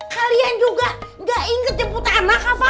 kalian juga nggak inget jam putaran pak